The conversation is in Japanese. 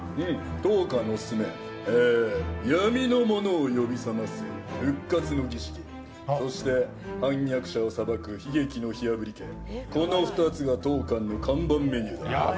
当館のオススメ、「闇の者を呼び覚ます復活の儀式」そして「反逆者を裁く悲劇の火炙り刑」、この２つが当館の看板メニューだ。